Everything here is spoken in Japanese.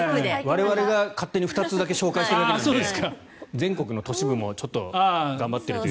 我々が勝手に２つだけ紹介してるだけなので全国の都市部もちょっと頑張っているという。